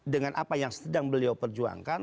dengan apa yang sedang beliau perjuangkan